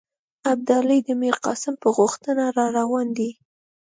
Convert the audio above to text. ابدالي د میرقاسم په غوښتنه را روان دی.